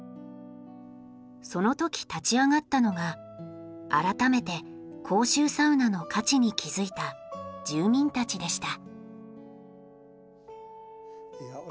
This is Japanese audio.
その時立ち上がったのが改めて公衆サウナの価値に気付いた住民たちでした。